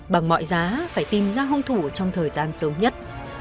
bằng mọi giá phải tìm ra hung thủ trong thời gian sớm nhất